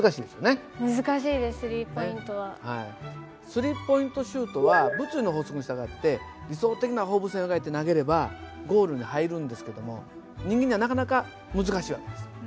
スリーポイントシュートは物理の法則に従って理想的な放物線を描いて投げればゴールに入るんですけども人間にはなかなか難しい訳です。